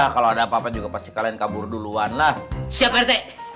kalau ada apa apa juga pasti kalian kabur duluan lah siap rt